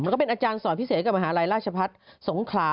ก็เป็นอาจารย์สอนพิเศษกับมหาลัยราชพัฒน์สงขลา